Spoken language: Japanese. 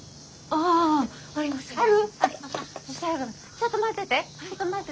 ちょっと待ってて。